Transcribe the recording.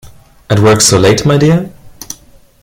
At work so late, my dear?